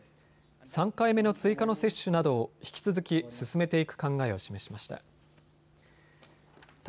３回目の追加の接種などを引き続き進めていく考えを示しました。